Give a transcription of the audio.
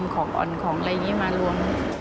ของอ่อนของอะไรอย่างนี้มารวม